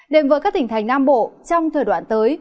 đến với các tỉnh thành nam bộ trong thời đoạn tới